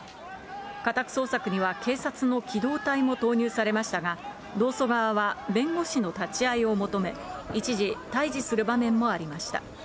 家宅捜索には警察の機動隊も投入されましたが、労組側は弁護士の立ち会いを求め、一時、対じする場面もありました。